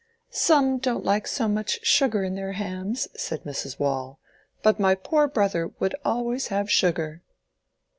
"Some don't like so much sugar in their hams," said Mrs. Waule. "But my poor brother would always have sugar."